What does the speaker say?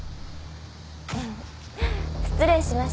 失礼しました。